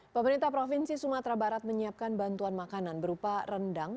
pemerintah provinsi sumatera barat menyiapkan bantuan makanan berupa rendang